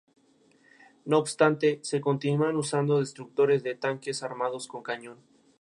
Se publicaron libros sencillos sobre la medicina para la gente común.